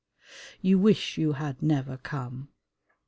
You wish you had never come.